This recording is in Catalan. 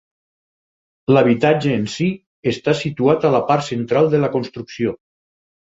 L'habitatge en si està situat a la part central de la construcció.